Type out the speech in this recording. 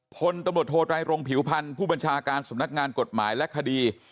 พลตำรวจโทไตรรงผิวพันธ์ผู้บัญชาการสำนักงานกฎหมายและคดี